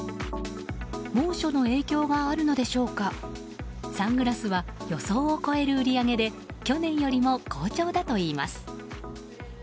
猛暑の影響があるのでしょうかサングラスは予想を超える売り上げで去年よりも好調だといいます。